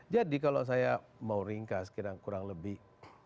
jadi kalau saya mau ringkas kurang lebih